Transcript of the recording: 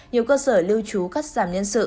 nhiều cơ sở lưu trú cắt giảm nhân sự